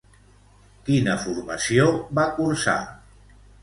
Quina formació va cursar?